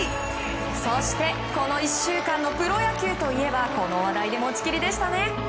そしてこの１週間のプロ野球といえばこの話題で持ちきりでしたね。